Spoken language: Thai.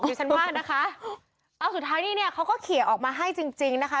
ดิฉันว่านะคะเอาสุดท้ายนี่เนี่ยเขาก็เขียนออกมาให้จริงจริงนะคะ